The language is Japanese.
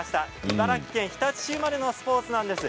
茨城県日立市生まれのスポーツです。